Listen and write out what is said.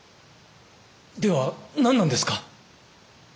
では何なんですか？